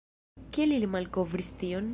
Kiel ili malkovris tion?